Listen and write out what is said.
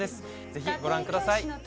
ぜひご覧ください。